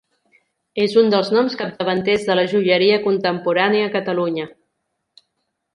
És un dels noms capdavanters de la joieria contemporània a Catalunya.